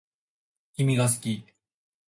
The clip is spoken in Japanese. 君が好き